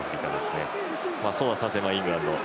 そうはさせないイングランド。